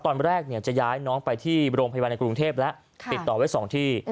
ตอนแรกจะย้ายน้องไปที่โรงพยาบาลในกรุงเทพแล้วติดต่อไว้๒ที่